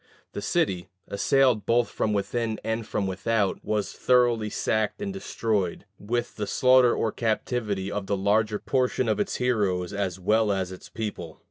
The city, assailed both from within and from without, was thoroughly sacked and destroyed, with the slaughter or captivity of the larger portion of its heroes as well as its people.